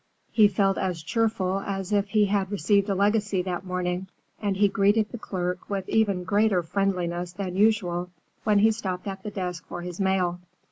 He felt as cheerful as if he had received a legacy that morning, and he greeted the clerk with even greater friendliness than usual when he stopped at the desk for his mail.